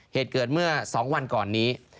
เหตุเกิดเมื่อ๒วันก่อนนี้